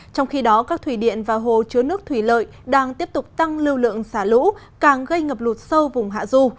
trong khi đó các thủy điện và hồ chứa nước thủy lợi đang tiếp tục tăng lưu lượng xả lũ càng gây ngập lụt sâu vùng hạ du